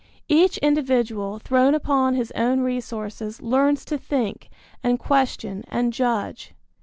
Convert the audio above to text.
Each individual, thrown upon his own resources, learns to think and question and judge.